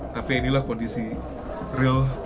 tapi inilah kondisi real